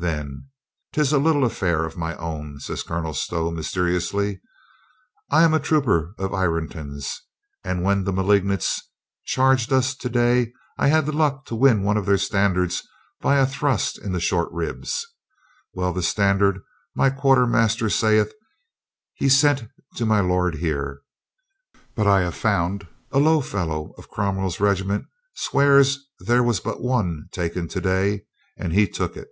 Then, " 'Tis a little affair of my own," says Colonel Stow myste riously. "I am a trooper of Ireton's and when the malignants charged us to day I had the luck to win one of their standards by a thrust in the short ribs. Well, the standard, my quartermaster saith, he sent to my lord here. But I have found a low fellow of Cromwell's regiment swears there was but one taken to day and he took it.